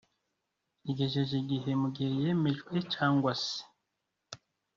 Igejeje igihe mu gihe yemejwe cyangwa se